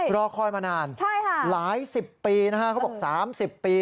รอคอยมานานหลายสิบปีนะฮะเขาบอก๓๐ปี